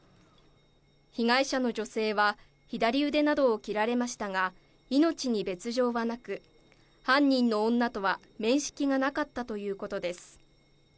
被害者の女性は左腕などを切られましたが、命に別条はなく、犯人の女とは面識がなかったということです。